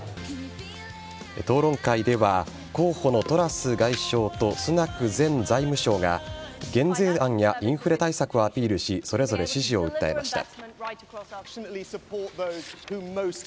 討論会では候補のトラス外相とスナク前財務相が減税案やインフレ対策をアピールしそれぞれ支持を訴えました。